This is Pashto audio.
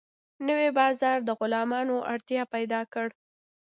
نوی بازار د غلامانو اړتیا پیدا کړه.